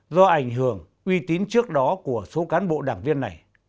do ảnh hưởng uy tín trước đó của số cán bộ đảng viên này